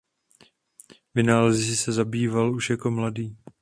Vynálezy se zabýval už jako malý.